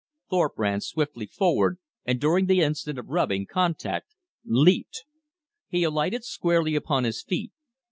Thorpe ran swiftly forward, and during the instant of rubbing contact, leaped. He alighted squarely upon his feet.